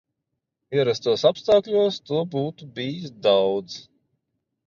Ierastos apstākļos to būtu bijis daudz.